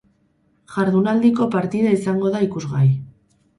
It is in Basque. Jardunaldiko partida izango da ikusgai.